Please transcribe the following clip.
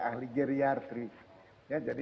ahli geriatri ya jadi